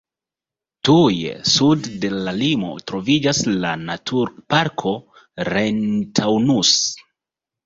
Tuj sude de la limo troviĝas la Naturparko Rhein-Taunus.